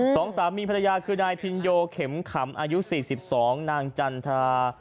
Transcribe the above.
สองสามีพระยาคือนายพิงโยเข็มขำอายุสี่สิบสองนางจันทรา